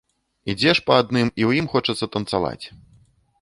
Ідзеш па адным, і ў ім хочацца танцаваць.